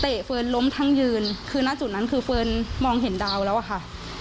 เฟิร์นล้มทั้งยืนคือหน้าจุดนั้นคือเฟิร์นมองเห็นดาวแล้วอะค่ะ